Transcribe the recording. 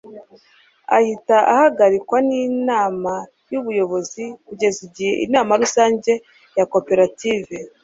ahita ahagarikwa n'inama y'ubuyobozi kugeza igihe inama rusange ya koperative